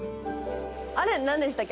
あれなんでしたっけ？